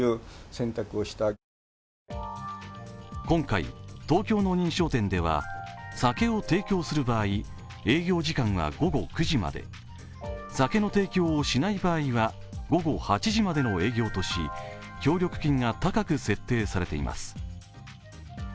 今回、東京の認証店では酒を提供する場合、営業時間は午後９時まで酒の提供をしない場合は午後８時までの営業とし協力金が高く設定されています。